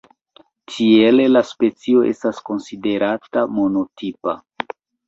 Tiele la specio estas konsiderata monotipa.